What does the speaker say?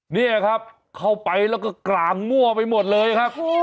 พี่อย่าพี่พี่คิดบางหนูคร้อ